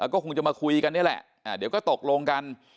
ก็คงจะมาคุยกันนี่แหละเดี๋ยวก็ตกลงกัน